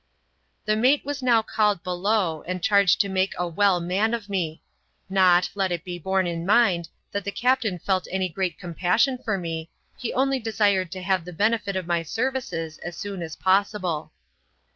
The mate was now called below, and charged to make a " well man" of me ; not, let it be borne in mind, that the captain felt any great compassion for me, he only desired to have the benefit of my services as soon as possible.